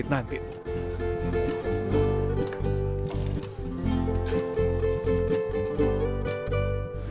kepala pembangunan pemerintah jawa barat